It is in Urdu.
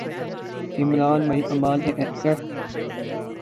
عمران بھائی کمال کے ایکڑ